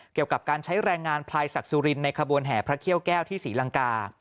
เกี่ยวกับการใช้แรงงานพลายศักดิ์สุรินในขบวนแห่พระเขี้ยวแก้วที่ศรีลังกา